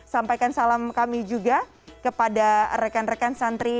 sampaikan salam kami juga kepada rekan rekan santri